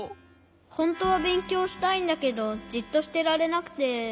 ほんとはべんきょうしたいんだけどじっとしてられなくて。